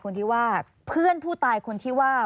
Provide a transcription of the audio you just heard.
แล้วเพื่อนผู้ตายคนที่ว่า